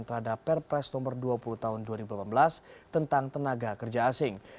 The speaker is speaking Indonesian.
terhadap perpres nomor dua puluh tahun dua ribu delapan belas tentang tenaga kerja asing